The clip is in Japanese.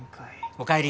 おかえり。